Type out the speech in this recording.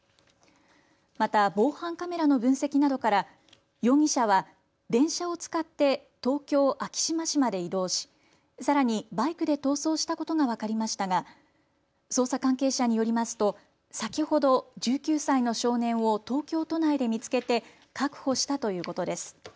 また防犯カメラの分析などから容疑者は電車を使って東京昭島市まで移動しさらにバイクで逃走したことが分かりましたが、捜査関係者によりますと先ほど１９歳の少年を東京都内で見つけて確保したということです。